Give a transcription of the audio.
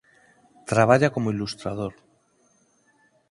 Traballa como ilustrador.